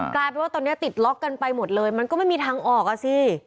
กลายเป็นว่าตอนนี้ติดล็อกกันไปหมดเลยมันก็ไม่มีทางออกอ่ะสิ